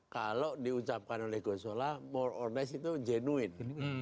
kalau diucapkan oleh gus soleh more or less itu genuine